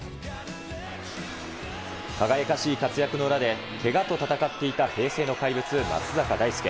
輝かしい活躍の裏で、けがと闘っていた平成の怪物、松坂大輔。